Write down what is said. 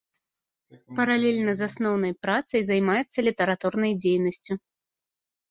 Паралельна з асноўнай працай займаецца літаратурнай дзейнасцю.